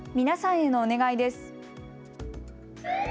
皆さんへのお願いです。